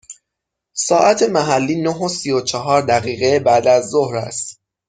ساعت محلی نه و سی و چهار دقیقه بعد از ظهر است.